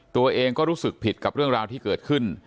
ตัวเองก็รู้สึกผิดกับเรื่องราวที่เกิดขึ้น